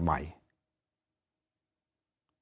ไวหน์